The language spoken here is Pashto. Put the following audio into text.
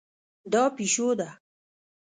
دا پیشو ده